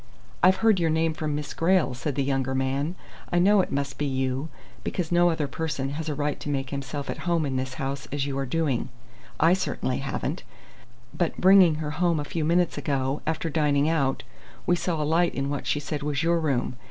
"I've heard your name from Miss Grayle," said the younger man. "I know it must be you, because no other person has a right to make himself at home in this house as you are doing. I certainly haven't. But bringing her home a few minutes ago, after dining out, we saw a light in what she said was your room.